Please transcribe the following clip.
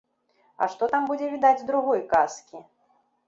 А што там будзе відаць з другой казкі?